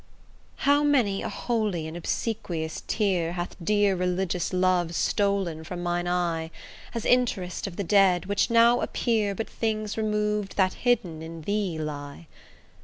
How many a holy and obsequious tear Hath dear religious love stol'n from mine eye, As interest of the dead, which now appear But things remov'd that hidden in thee lie!